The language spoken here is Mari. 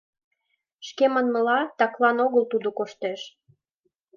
Шке манмыла, таклан огыл тудо коштеш.